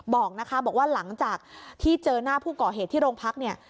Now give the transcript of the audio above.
บอกว่าหลังจากที่เจอหน้าผู้ก่อเหตุที่โรงพัก